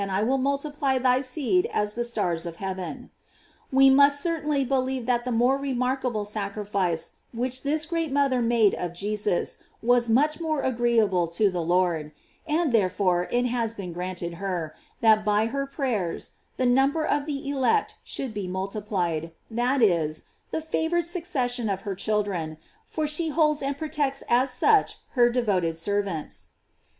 will multiply thy seed as the stars of heaven;"* we must certainly believe that the more remark able sacrifice which this great mother made of Jesus was much more agreeable to the Lord', and, therefore, it has been granted her, that by her prayers, the number of the elect should be multiplied, that is, the favored succession of her children, for she holds and protects as such her devoted servants.